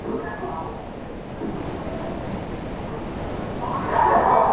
故に凡ての人は多少の意味に於て芸術家であらねばならぬ。